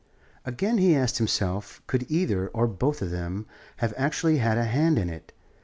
Again he asked himself could either, or both of them, have actually had a hand in it?